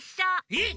えっ！？